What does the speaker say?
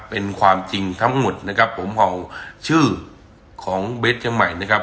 เป็นความจริงทั้งหมดนะครับผมเอาชื่อของเบสเชียงใหม่นะครับ